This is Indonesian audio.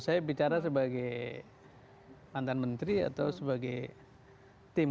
saya bicara sebagai mantan menteri atau sebagai tim